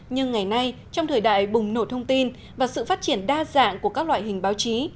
nhưng ngày nay trong thời đại bùng nổ thông tin và sự phát triển đa dạng của các loại hình báo chí